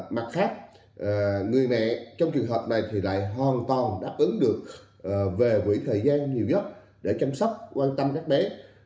mặt khác người mẹ trong trường hợp này thì lại hoàn toàn đáp ứng được về quỹ thời gian nhiều nhất để chăm sóc quan tâm các bé